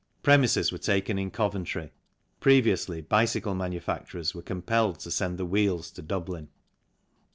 Premises were taken in Coventry ; previously bicycle manufacturers were compelled to send the wheels to Dublin.